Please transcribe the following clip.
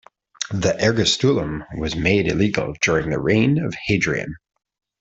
The ergastulum was made illegal during the reign of Hadrian.